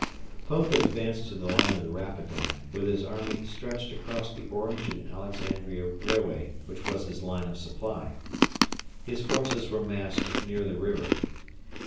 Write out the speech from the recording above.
Pope had advanced to the line of the Rapidan, with his army stretched across the Orange and Alexandria Railway, which was his line of supply. His forces were massed near the river.